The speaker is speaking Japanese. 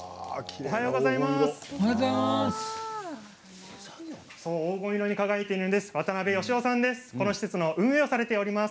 おはようございます。